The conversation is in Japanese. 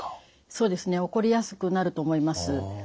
そうですね起こりやすくなると思います。